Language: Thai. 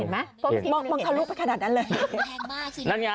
มองคลุคไปขนาดนั้นน่ะ